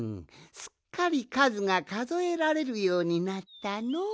すっかりかずがかぞえられるようになったのう。